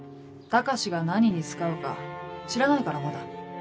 ・高志が何に使うか知らないからまだ。